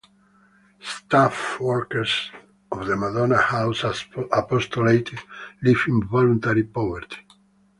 Staff workers of the Madonna House Apostolate live in voluntary poverty.